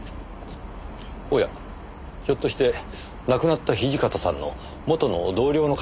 おやひょっとして亡くなった土方さんの元の同僚の方でしょうか？